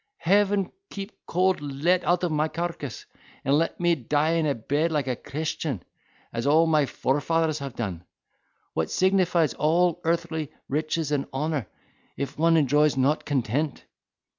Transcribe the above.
Heaven keep cold lead out of my carcase, and let me die in a bed like a Christian, as all my forefathers have done. What signifies all earthly riches and honour, if one enjoys not content?